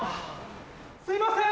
すいません！